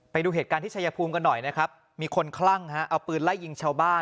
ไปดูเหตุการณ์ที่ชายภูมิกันหน่อยนะครับมีคนคลั่งฮะเอาปืนไล่ยิงชาวบ้าน